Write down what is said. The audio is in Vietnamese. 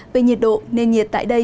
về nhiệt độ nền nhiệt tại đây